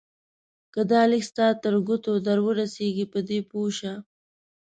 که دا لیک ستا تر ګوتو درورسېږي په دې پوه شه.